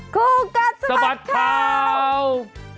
คู่กัดสะบัดข่าว